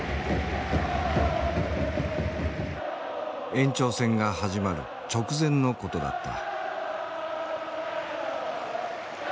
延長戦が始まる直前のことだった。